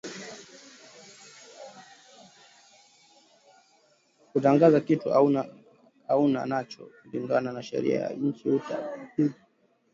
Kutangaza kitu auna nacho kulingana na sheria ya inchi uta apizwa